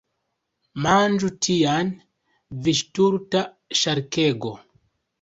Manĝu tian! Vi stulta ŝarkego!